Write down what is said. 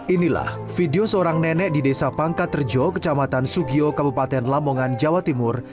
ini lah video seorang nenek di desa pangka terjo kecamatan sugio kabupaten lamongan jawa timur